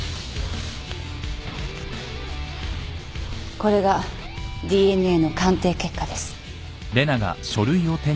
これがＤＮＡの鑑定結果です。